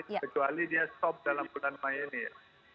kecuali dia stop dalam bulan mei ini ya